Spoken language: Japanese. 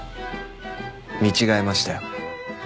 見違えましたよ。